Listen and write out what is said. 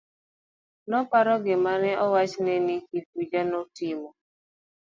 Noparo gima ne owachne ni Kifuja notimo.